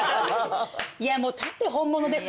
いや縦本物です